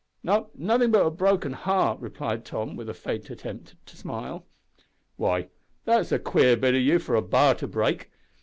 "No, nothing but a broken heart," replied Tom with a faint attempt to smile. "Why, that's a queer bit o' you for a b'ar to break.